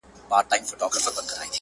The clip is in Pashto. چي پر سر د دې غريب دئ كښېنستلى؛